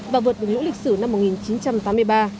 và vượt đỉnh lũ lịch sử năm một nghìn chín trăm tám mươi ba